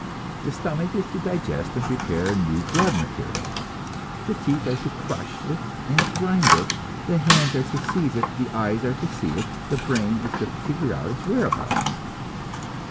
The stomach is to digest and prepare new blood material, the teeth are to crush it and grind it, the hands are to seize it, the eyes are to see it, the brain is to figure out its whereabouts.